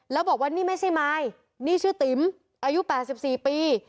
แล้วบอกว่านี่ไม่ใช่มายนี่ชื่อติ๋มอายุ๘๔ปี